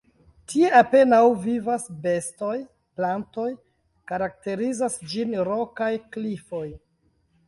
Tie apenaŭ vivas bestoj, plantoj, karakterizas ĝin rokaj klifoj.